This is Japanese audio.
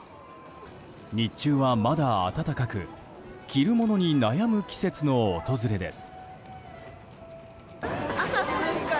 日中はまだ暖かく着るものに悩む季節の訪れです。